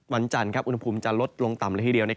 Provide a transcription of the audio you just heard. วันจันทร์อุณหภูมิจะลดลงต่ำละทีเดียว